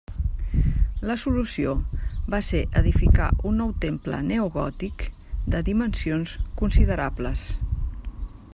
La solució va ser edificar un nou temple neogòtic, de dimensions considerables.